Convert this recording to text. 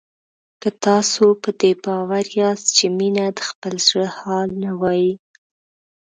که تاسو په دې باور یاست چې مينه د خپل زړه حال نه وايي